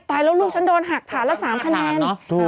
ตายแล้วลูกฉันโดนหักฐานละ๓คะแนน